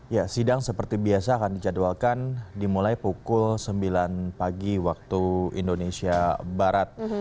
ya sidang seperti biasa akan dijadwalkan dimulai pukul sembilan pagi waktu indonesia barat